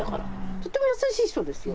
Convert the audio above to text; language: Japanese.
とっても優しい人ですよ。